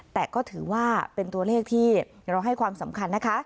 แต่ก็ถือว่าเป็นตัวเลขที่เราให้ความสำคัญนะคะ